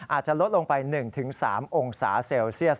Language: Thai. อาจจะลดลงไป๑๓องศาเซลเซียส